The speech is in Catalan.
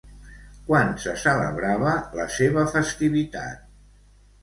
Quan se celebrava la seva festivitat?